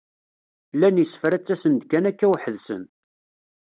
Llan yisefra ttasen-d kan akka weḥd-sen.